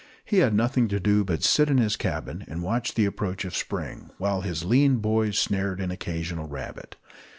He had nothing to do but to sit in his cabin and watch the approach of spring, while his lean boys snared an occasional rabbit.